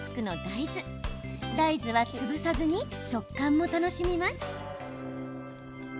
大豆は潰さずに食感も楽しみます。